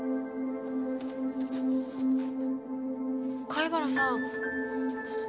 貝原さん。